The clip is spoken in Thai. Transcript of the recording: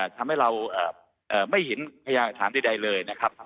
ทำให้เราไม่เห็นพยานหลักฐานใดเลยนะครับ